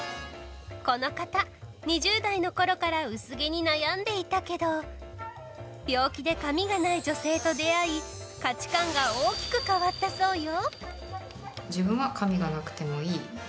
この方、２０代のころから薄毛に悩んでいたけど病気で髪がない女性と出会い価値観が大きく変わったそうよ。